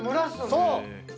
そう！